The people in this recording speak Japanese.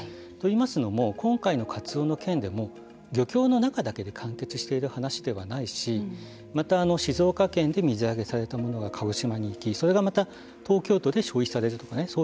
といいますのも今回のカツオの件でも漁協の中だけで完結している話ではないしまた静岡県で水揚げされたものが鹿児島に行き、それがまた東京都で消費されるとかね。